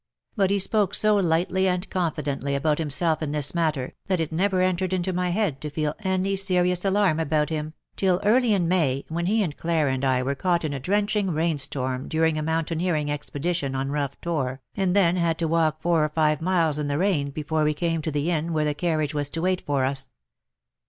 But he spoke so lightly and confidently about himself in this matter, that it had never entered into my head to feel any serious alarm about him, till early in May, when he and Clara and I were caught in a drenching rainstorm during a mountaineering expe dition on Rough Tor, and then had to walk four or five miles in the rain before we came to the inn where the carriage was to wait for us.